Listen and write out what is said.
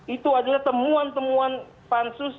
itu adalah temuan temuan pansus